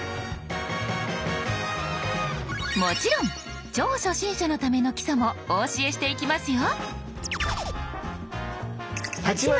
もちろん超初心者のための基礎もお教えしていきますよ。